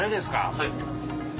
はい。